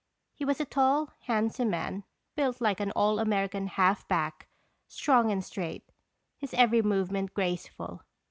He was a tall, handsome man, built like an All American half back, strong and straight, his every movement graceful.